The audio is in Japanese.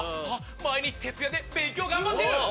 毎日徹夜で勉強頑張ってる！